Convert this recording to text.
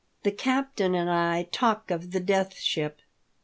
THE CAPTAIN AND I TALK OF THE DEATH SHIP.